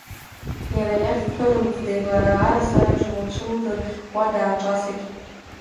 Иара иахь дцәырымҵӡеит лара, арасараҿы лҽылӡан, уа даанҿасит.